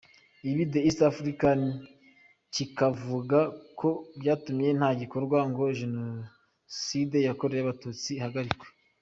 Ibi The East African kikavuga ko byatumye nta gikorwa ngo Jenoside yakorewe Abatutsi ihagarikwe.